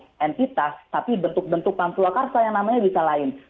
sebagai entitas tapi bentuk bentuk pam swakarsa yang namanya bisa lain